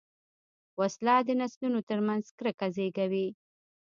وسله د نسلونو تر منځ کرکه زېږوي